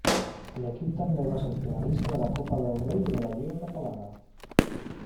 L'equip també va ser finalista de la Copa del Rei i de la Lliga catalana.